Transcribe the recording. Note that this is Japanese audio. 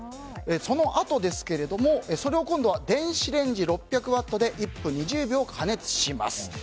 それを今度は電子レンジ６００ワットで１分２０秒加熱します。